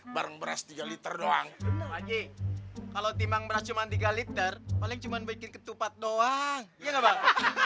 bareng beras tiga liter doang kalau timang beras cuman tiga liter paling cuman bikin ketupat doang